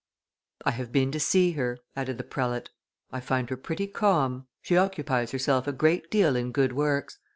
"I have been to see her," added the prelate. "I find her pretty calm; she occupies herself a great deal in good works.